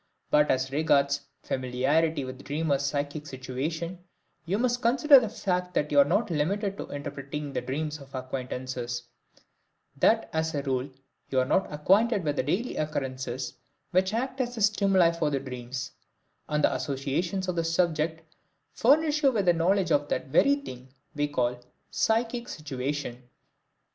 But as regards familiarity with the dreamer's psychic situation, you must consider the fact that you are not limited to interpreting the dreams of acquaintances; that as a rule you are not acquainted with the daily occurrences which act as the stimuli for the dreams, and that the associations of the subject furnish you with a knowledge of that very thing we call the psychic situation.